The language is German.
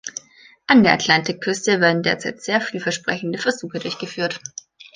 An der Atlantikküste werden derzeit sehr vielversprechende Versuche durchgeführt.